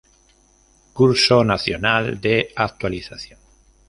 Curso Nacional de Actualización.